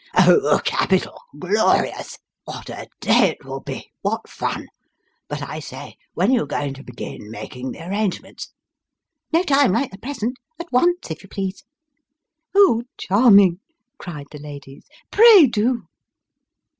" Oh, capital ! glorious ! What a day it will be ! what fun ! But, I say, when are you going to begin making the arrangements ?"" No time like the present at once, if you please." " Oh, charming !" cried the ladies. " Pray, do